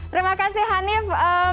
terima kasih hanif